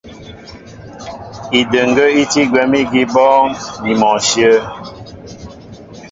Idəŋgə́ í tí gwɛ̌m ígi í bɔ́ɔ́ŋ ni mɔ ǹshyə̂.